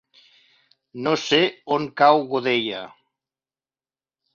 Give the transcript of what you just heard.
No sé on cau Godella.